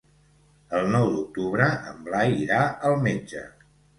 El nou d'octubre en Blai irà al metge.